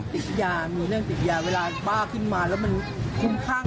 ติดยามีเรื่องติดยาเวลาบ้าขึ้นมาแล้วมันคุ้มข้าง